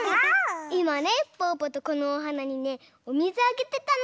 いまねぽぅぽとこのおはなにねおみずあげてたの。